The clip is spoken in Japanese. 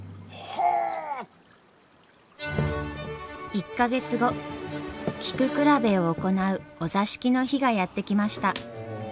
１か月後菊比べを行うお座敷の日がやって来ました。